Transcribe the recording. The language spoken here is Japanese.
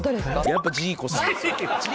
やっぱジーコさんですよ。